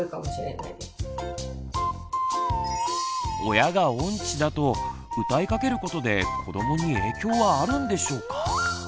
親が音痴だと歌いかけることで子どもに影響はあるんでしょうか？